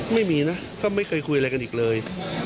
ไม่มีนะก็ไม่เคยคุยอะไรกันอีกเลย